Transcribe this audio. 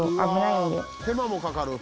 手間もかかる。